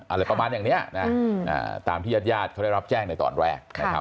อะไรประมาณอย่างนี้นะตามที่ญาติญาติเขาได้รับแจ้งในตอนแรกนะครับ